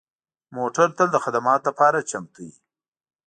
موټر تل د خدماتو لپاره چمتو وي.